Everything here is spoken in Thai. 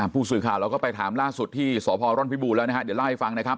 พรูดสวยข่าวก็ไปถามล่าสุดที่ทพรวนพิบูลแล้วนะครับเดี๋ยวให้รอให้ฟังนะครับ